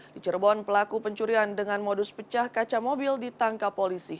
di cirebon pelaku pencurian dengan modus pecah kaca mobil ditangkap polisi